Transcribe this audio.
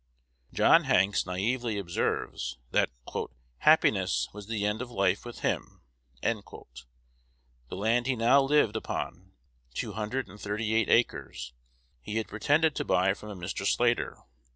John Hanks naively observes, that "happiness was the end of life with him." The land he now lived upon (two hundred and thirty eight acres) he had pretended to buy from a Mr. Slater.